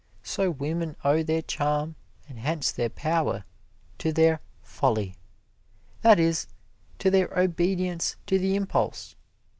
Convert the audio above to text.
So women owe their charm, and hence their power, to their "folley," that is, to their obedience to the impulse.